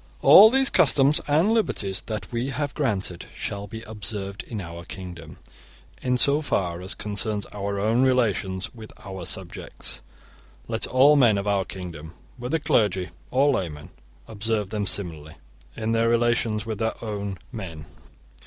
* All these customs and liberties that we have granted shall be observed in our kingdom in so far as concerns our own relations with our subjects. Let all men of our kingdom, whether clergy or laymen, observe them similarly in their relations with their own men. Strange characters may have ended here.